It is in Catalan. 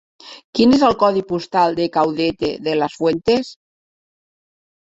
Quin és el codi postal de Caudete de las Fuentes?